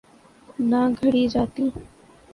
نہ گھڑی جاتیں۔